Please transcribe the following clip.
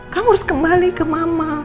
kamu harus kembali ke mama